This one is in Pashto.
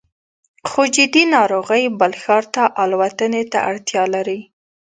خو جدي ناروغۍ بل ښار ته الوتنې ته اړتیا لري